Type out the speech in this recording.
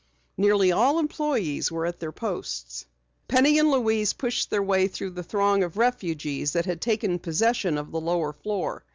Nearly all employees were at their posts. Penny and Louise pushed their way through the throng of refugees that had taken possession of the lower floor.